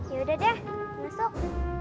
yaudah deh masuk